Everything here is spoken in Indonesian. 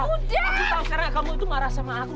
aku tau sekarang kamu itu marah sama aku